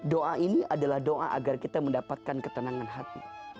doa ini adalah doa agar kita mendapatkan ketenangan hati